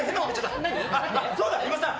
そうだ、宇野さん。